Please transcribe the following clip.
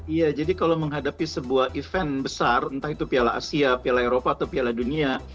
iya jadi kalau menghadapi sebuah event besar entah itu piala asia piala eropa atau piala dunia